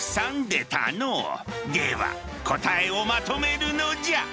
では答えをまとめるのじゃ。